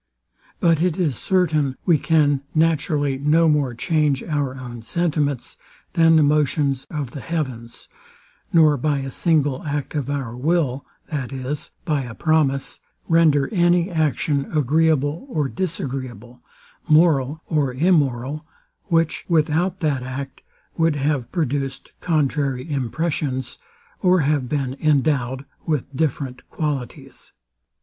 But it is certain we can naturally no more change our own sentiments, than the motions of the heavens; nor by a single act of our will, that is, by a promise, render any action agreeable or disagreeable, moral or immoral; which, without that act, would have produced contrary impressions, or have been endowed with different qualities.